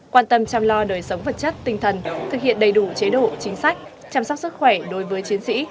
quan tâm chăm lo đời sống vật chất tinh thần thực hiện đầy đủ chế độ chính sách chăm sóc sức khỏe đối với chiến sĩ